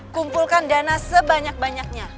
kumpulkan dana sebanyak banyaknya